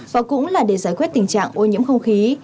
và cũng là để giải quyết tình trạng ô nhiễm không khí